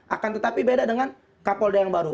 akan tetapi beda dengan kapolda yang baru